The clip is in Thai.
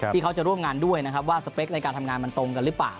ที่เขาจะร่วมงานด้วยนะครับว่าสเปคในการทำงานมันตรงกันหรือเปล่า